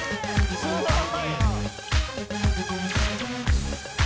・すごい！